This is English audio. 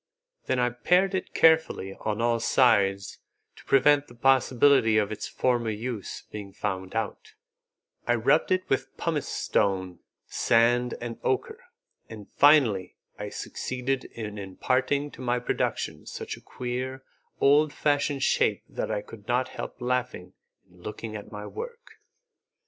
Then I pared it carefully on all sides to prevent the possibility of its former use being found out; I rubbed it with pumice stone, sand, and ochre, and finally I succeeded in imparting to my production such a queer, old fashioned shape that I could not help laughing in looking at my work.